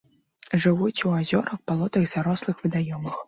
Жывуць у азёрах, балотах, зарослых вадаёмах.